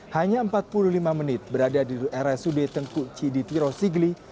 hanya empat puluh lima menit berada di rsud tengkuk ciditiro sigli